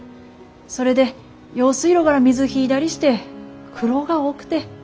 それで用水路がら水引いだりして苦労が多くて。